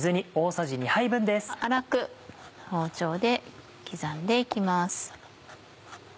粗く包丁で刻んで行きます。